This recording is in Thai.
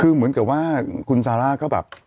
คือเหมือนกับว่าคุณซาร่าก็แบบ